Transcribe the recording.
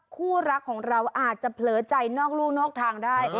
คู่รักของเราอาจจะเผลอใจนอกลูกนอกทางได้